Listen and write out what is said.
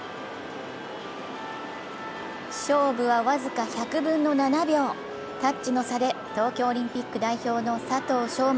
勝負は僅か１００分の７秒、タッチの差で東京オリンピック代表の佐藤翔